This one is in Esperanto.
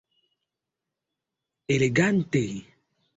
Elegante!